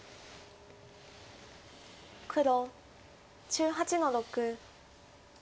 黒１８の六。